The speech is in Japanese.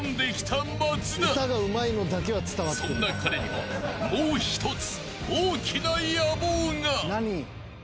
［そんな彼にはもう一つ］